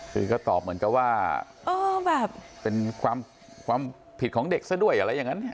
คือก็ตอบเหมือนกับว่าแบบเป็นความผิดของเด็กซะด้วยอะไรอย่างนั้นเนี่ย